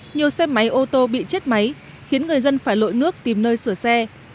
nhiều xe máy ô tô bị chết máy khiến người dân phải lội nước tìm nơi sửa xe